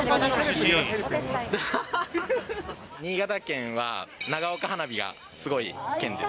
新潟県は長岡花火がすごい県です。